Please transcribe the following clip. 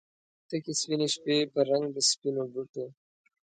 تکې سپینې شپې په رنګ د سپینو بتو